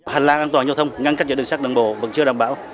hành lang an toàn nhau thông ngăn cách giữa đường sắt và đường bộ vẫn chưa đảm bảo